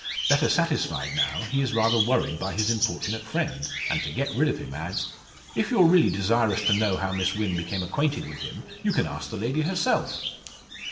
Better satisfied, now, he is rather worried by his importunate friend, and to get rid of him adds: "If you are really desirous to know how Miss Wynn became acquainted with him, you can ask the lady herself."